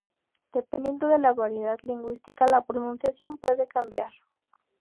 Dependiendo de la variedad lingüística la pronunciación puede cambiar.